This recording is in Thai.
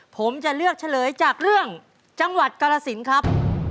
ผมจะเลือกเฉลยจากเรื่องจังหวัดกรสินครับ